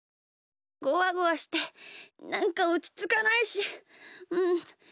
ゴワゴワしてなんかおちつかないしちょっといたい。